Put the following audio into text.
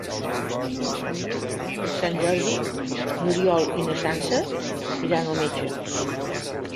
Per Sant Jordi n'Oriol i na Sança iran al metge.